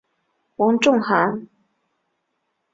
黄仲涵。